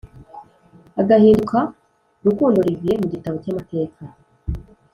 agahinduka rukundo olivier mu gitabo cy’amateka